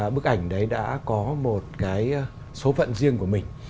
bức ảnh đấy đã có một cái số phận riêng của mình